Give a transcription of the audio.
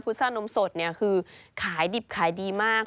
พุษานมสดคือขายดิบขายดีมาก